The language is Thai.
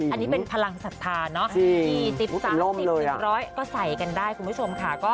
อันนี้เป็นพลังศรัทธานี่อันนี้ติปศักดิ์๓๐๐ก็ใส่กันได้คุณผู้ชมค่ะ